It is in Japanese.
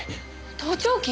盗聴器！？